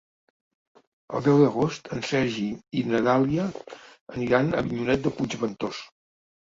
El deu d'agost en Sergi i na Dàlia aniran a Avinyonet de Puigventós.